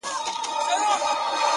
د زيارتـونو يې خورده ماتـه كـړه؛